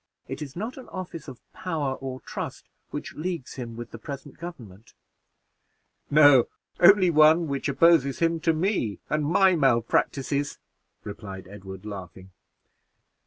It is not an office of power or trust which leagues him with the present government." "No; only one which opposes him to me and my malpractices," replied Edward, laughing.